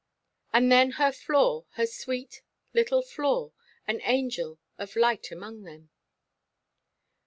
And then her Flore, her sweet little Flore! An angel of light among them."